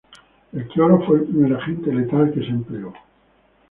El cloro fue el primer agente letal que se empleó.